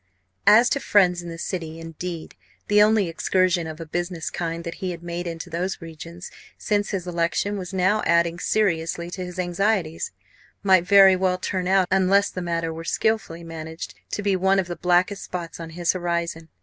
As to friends in the City, indeed, the only excursion of a business kind that he had made into those regions since his election was now adding seriously to his anxieties might very well turn out, unless the matter were skilfully managed, to be one of the blackest spots on his horizon.